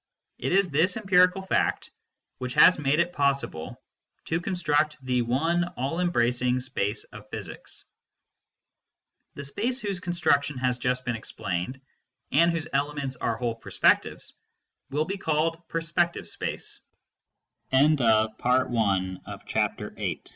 It is this empirical fact which has made it possible to construct the one all embracing space of physics. The space whose construction has just been explained, and whose elements are whole perspectives, will be called